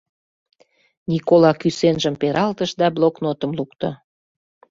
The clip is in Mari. Никола кӱсенжым пералтыш да блокнотым лукто.